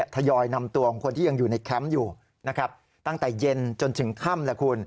ทยอยนำตัวของคนที่อยู่ในแคมป์ตั้งแต่เย็นจนถึงค่ำ